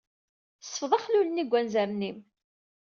Sfeḍ axlul-nni seg wanzaren-im.